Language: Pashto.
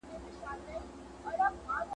پلی ګرځېدل د اوږدمهاله ناروغۍ مخنیوی کوي.